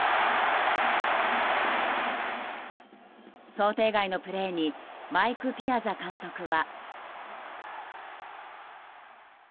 想定外のプレーにマイク・ピアザ監督は。